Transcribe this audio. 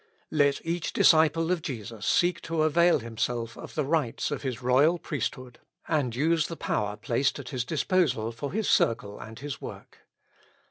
Let each disciple of Jesus seek to avail himself of the rights of his royal priesthood, and use the power placed at his disposal for his circle and his work.